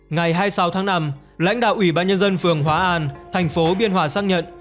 ngày hai mươi sáu tháng năm lãnh đạo ủy ban nhân dân phường hóa an thành phố biên hòa xác nhận